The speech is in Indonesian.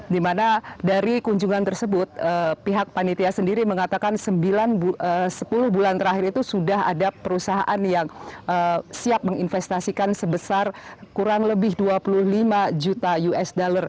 dimana dari kunjungan tersebut pihak panitia sendiri mengatakan sepuluh bulan terakhir itu sudah ada perusahaan yang siap menginvestasikan sebesar kurang lebih dua puluh lima juta usd